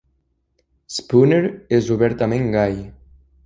Spooner és obertament gai.